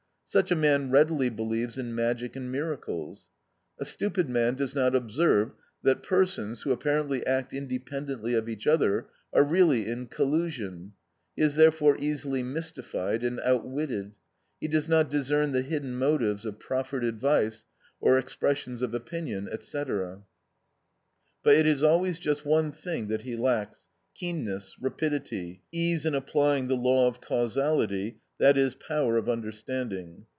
Such a man readily believes in magic and miracles. A stupid man does not observe that persons, who apparently act independently of each other, are really in collusion; he is therefore easily mystified, and outwitted; he does not discern the hidden motives of proffered advice or expressions of opinion, &c. But it is always just one thing that he lacks—keenness, rapidity, ease in applying the law of causality, i.e., power of understanding.